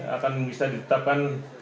akan bisa ditetapkan